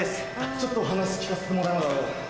ちょっとお話聞かせてもらえますか？